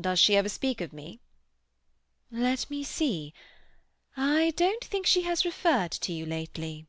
Does she ever speak of me?" "Let me see—I don't think she has referred to you lately."